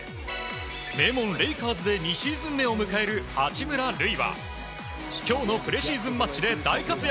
名門レイカーズで２シーズン目を迎える八村塁は今日のプレシーズンマッチで大活躍。